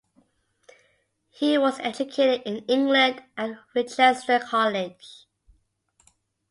He was educated in England at Winchester College.